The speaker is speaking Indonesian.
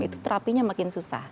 itu terapinya makin susah